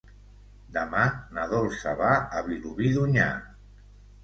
Demà na Dolça va a Vilobí d'Onyar.